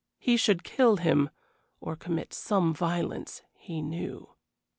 He should kill him, or commit some violence, he knew.